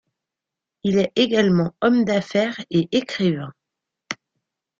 Il est également homme d'affaires et écrivain.